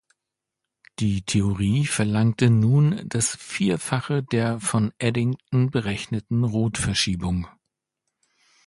Die Theorie verlangte nun das Vierfache der von Eddington berechneten Rotverschiebung.